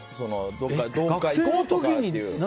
どこか行こうとかって。